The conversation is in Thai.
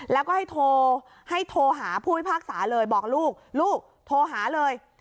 แล้วก็ให้โทรให้โทรหาผู้พิพากษาเลยบอกลูกลูกโทรหาเลย